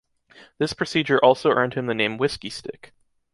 This procedure also earned him the name "whiskey-stick".